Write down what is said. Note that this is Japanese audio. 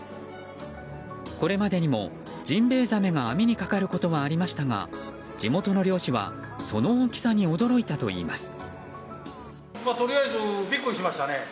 これまでにもジンベエザメが網にかかることはありましたが地元の漁師はその大きさに驚いたといいます。